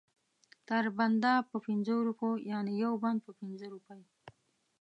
تر بنده په پنځو روپو یعنې یو بند په پنځه روپۍ.